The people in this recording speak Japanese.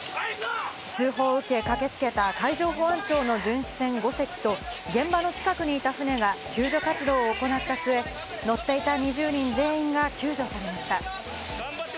通報を受け、駆けつけた海上保安庁の巡視船５隻と、現場の近くにいた船が救助活動を行った末、乗っていた２０人全員が救助されました。